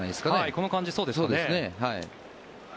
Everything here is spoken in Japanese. この感じ、そうですね。